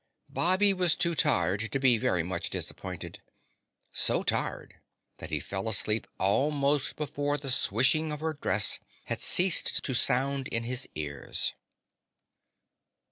Bobby was too tired to be very much disappointed, so tired that he fell asleep almost before the swishing of her dress had ceased to sound in his ears.